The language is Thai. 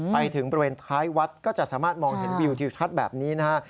ไปถึงบริเวณท้ายวัดก็จะสามารถมองเห็นวิวทิวทัศน์แบบนี้นะฮะ